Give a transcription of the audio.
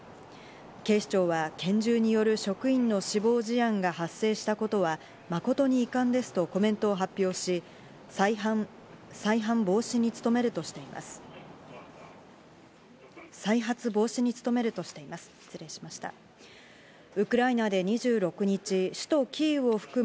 警視庁は拳銃による職員の死亡事案が発生したことは誠に遺憾ですとコメントを発表し、再犯防止に努めるとしています。